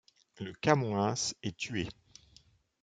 Le Camoëns est tué.